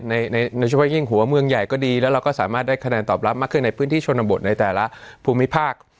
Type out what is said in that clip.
โดยเฉพาะยิ่งหัวเมืองใหญ่ก็ดีแล้วเราก็สามารถได้คะแนนตอบรับมากขึ้นในพื้นที่ชนบทในแต่ละภูมิภาค